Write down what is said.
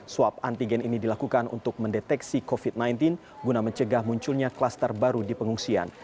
swab antigen ini dilakukan untuk mendeteksi covid sembilan belas guna mencegah munculnya kluster baru di pengungsian